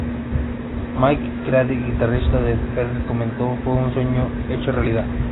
Mike McCready, guitarrista de Pearl Jam, comentó: "Fue un sueño hecho realidad.